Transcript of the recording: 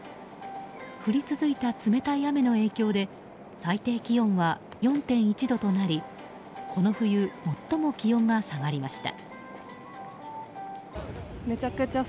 降り続いた冷たい雨の影響で最低気温は４．１度となりこの冬、最も気温が下がりました。